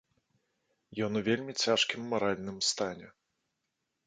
Ён у вельмі цяжкім маральным стане.